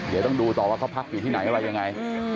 เดี๋ยวต้องดูต่อว่าเขาพักอยู่ที่ไหนอะไรยังไง